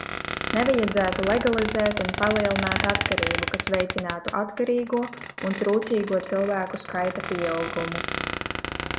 Nevajadzētu legalizēt un palielināt atkarību, kas veicinātu atkarīgo un trūcīgo cilvēku skaita pieaugumu.